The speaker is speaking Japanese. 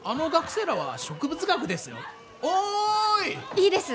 いいです！